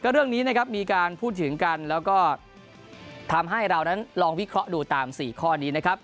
เรื่องนี้นะครับมีการพูดถึงกันแล้วก็ทำให้เรานั้นลองวิเคราะห์ดูตาม๔ข้อนี้นะครับ